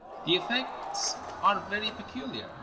The effects are very peculiar.